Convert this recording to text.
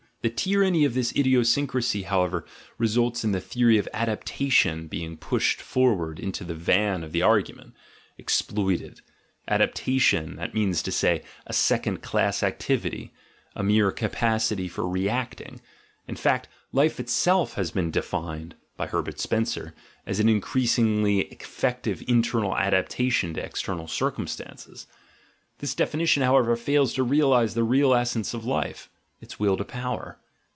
The tyranny of this idio syncrasy, however, results in the theory of "adaptation" being pushed forward into the van of the argument, ex ploited; adaptation — that means to say, a second class activity, a mere capacity for "reacting"; in fact, life itself has been defined (by Herbert Spencer) as an increasingly effective internal adaptation to external circumstances. This definition, however, fails to realise the real essence of life, its will to power.